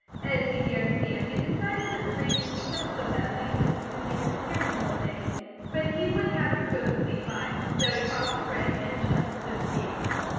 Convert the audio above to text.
As he neared the dam, he decided that the reason he felt so badly was because he had missed hearing it all day, but he would have it to go to sleep by. So he crossed the bridge and shut the sluice gate.